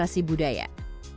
jagator dan cai